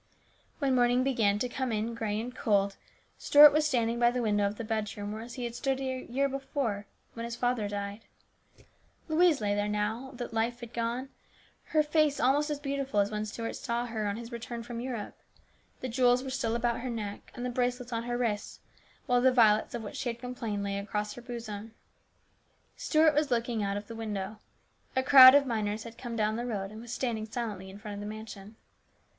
When morning began to come in grey and cold, Stuart was standing by the window of the bedroom as he had stood about a year before when his father died. Louise lay there, now that the lifev had gone, her face almost as beautiful as when Stuart saw her on his return from Europe. The jewels were still about her neck, and the bracelets on her wrists, while the violets of which she had complained lay across her bosom. Stuart was looking out of the window. A crowd of miners had come down the road and was standing silently in front of the mansion.